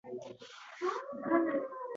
qo’shiqlar kuyladi gul yaproqlari